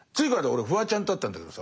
俺フワちゃんと会ったんだけどさ